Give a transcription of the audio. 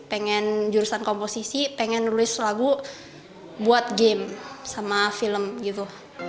pengen jurusan komposisi pengen nulis lagu buat game sama film gitu